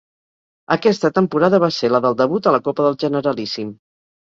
Aquesta temporada va ser la del debut a la Copa del Generalíssim.